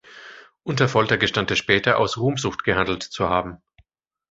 Unter Folter gestand er später, aus Ruhmsucht gehandelt zu haben.